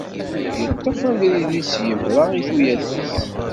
Yeṭṭef abrid-is yebra i tuyat-is.